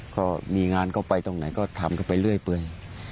ก็มีงานเข้าไปตรงไหนก็ทำเข้าไปเรื่อย